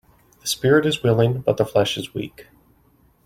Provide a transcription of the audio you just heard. The spirit is willing but the flesh is weak.